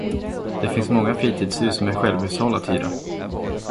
Det finns många fritidshus med självhushåll att hyra.